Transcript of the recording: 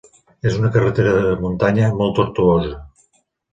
És una carretera de muntanya, molt tortuosa.